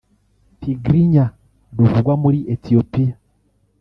Tigrigna ruvugwa muri Ethiopia